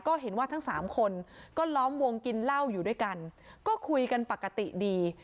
ก็เห็นว่าทั้งสามคนก็ล้อมวงกินเหล้าอยู่ด้วยกันก็คุยกันปกติดี